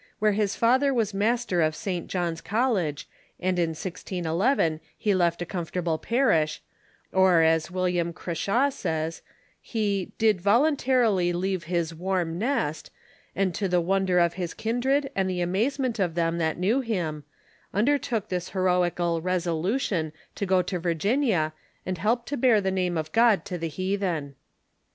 . his father was master of Saint John's College, and in 10 11 he left a comfortable parish, or, as William Crashawe says, he " did voluntarily leave his warm nest, and to the wonder of his kindred and the amazement of them that knew him, un dertook this heroical resolution to go to Virginia and help to bear the name of God to the heathen."